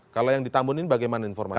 kalau yang ditambun ini bagaimana informasinya